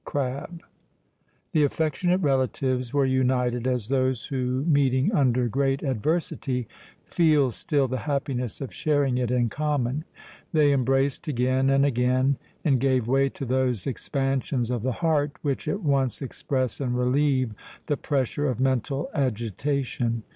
CRABBE. The affectionate relatives were united as those who, meeting under great adversity, feel still the happiness of sharing it in common. They embraced again and again, and gave way to those expansions of the heart, which at once express and relieve the pressure of mental agitation.